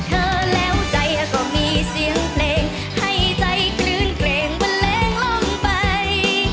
เธอแล้วใจก็มีเสียงเพลงห้ายใจคลื่นเกรงวันเล้งล้มไป